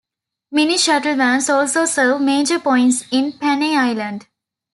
Mini-shuttle vans also serve major points in Panay Island.